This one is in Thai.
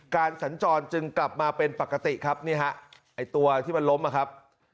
สัญจรจึงกลับมาเป็นปกติครับนี่ฮะไอ้ตัวที่มันล้มนะครับ